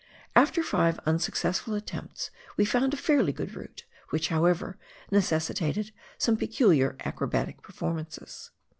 After five unsuccessful attempts we found a fairly good route, which, however, necessitated some peculiar acrobatic performances.